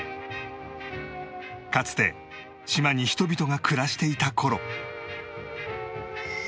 かつて島に人々が暮らしていた頃